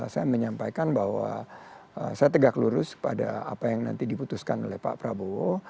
saya menyampaikan bahwa saya tegak lurus pada apa yang nanti diputuskan oleh pak prabowo